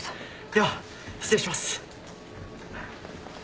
では失礼します。